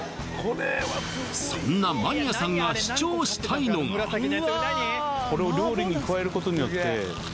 そんなマニアさんが主張したいのがになるんですよ